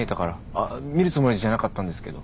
あ見るつもりじゃなかったんですけど。